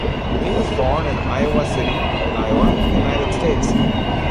He was born in Iowa City, Iowa, United States.